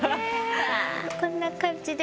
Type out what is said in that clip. こんな感じで。